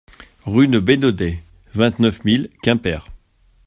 Route de Bénodet, vingt-neuf mille Quimper